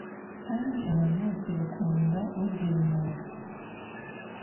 kandi abantu bose bakunda ugira ubuntu